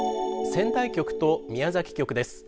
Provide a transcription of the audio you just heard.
仙台局と宮崎局です。